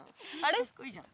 あれ。